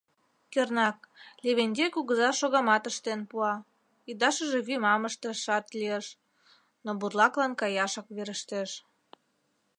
Кернак, Левентей кугыза шогамат ыштен пуа, ӱдашыже вӱмам ышташат лиеш, но бурлаклан каяшак верештеш.